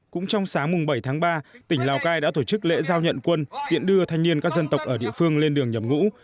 cũng trong sáng bảy tháng ba tỉnh lào cai đã tổ chức lễ giao nhận quân tiễn đưa thanh niên các dân tộc ở địa phương lên đường nhập ngũ